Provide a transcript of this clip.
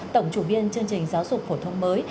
tổng chủ biên chương trình giáo dục phổ thông mới